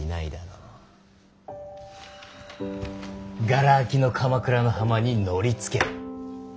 がら空きの鎌倉の浜に乗りつける。